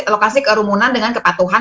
lokasi kerumunan dengan kepatuhan